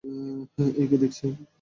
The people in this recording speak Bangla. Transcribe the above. এ কী দেখছি?